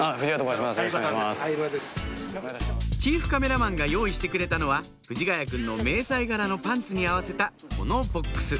チーフカメラマンが用意してくれたのは藤ヶ谷君の迷彩柄のパンツに合わせたこのボックス